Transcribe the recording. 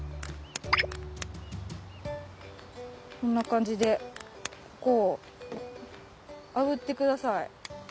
んな感じでここをあぶってください。